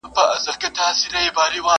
« اتفاق په پښتانه کي پیدا نه سو »!!